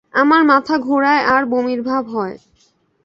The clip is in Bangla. আমার মাথা ঘোরায় আর বমির ভাব হয়।